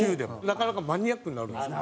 なかなかマニアックになるんですけど。